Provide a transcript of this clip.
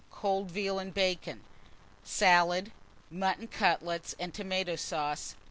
Cold veal and bacon, salad, mutton cutlets and tomato sauce.